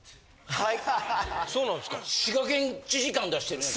はい。